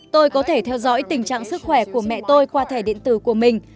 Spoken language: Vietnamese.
tôi có thể theo dõi tình trạng sức khỏe của mẹ tôi qua thẻ điện tử của mình